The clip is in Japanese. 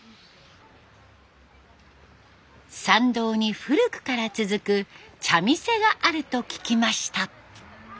参道に古くから続く茶店があると聞きました。